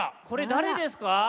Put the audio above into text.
これだれですか？